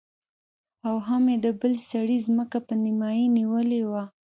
او هم يې د بل سړي ځمکه په نيمايي نيولې وه.